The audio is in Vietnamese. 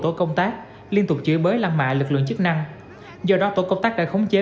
tổ công tác liên tục chửi bới lăng mạ lực lượng chức năng do đó tổ công tác đã khống chế